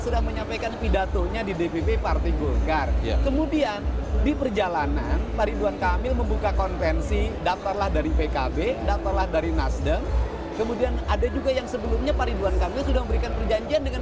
reminding you ridwan kamil ini terima kasih karena